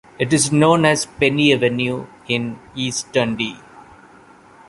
It is known as Penny Avenue in East Dundee.